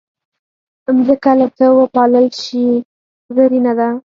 مځکه که ښه وپالل شي، زرینه ده.